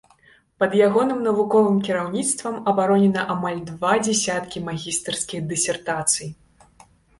Пад ягоным навуковым кіраўніцтвам абаронена амаль два дзясяткі магістарскіх дысертацый.